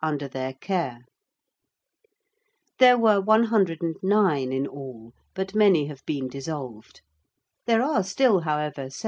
under their care. There were 109 in all, but many have been dissolved. There are still, however, 76.